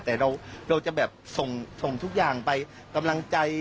แต่เราจะแบบส่งทุกอย่างไปกำลังใจ